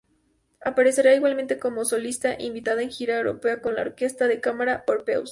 Aparece igualmente como solista invitada en gira Europea con la Orquesta de Cámara Orpheus.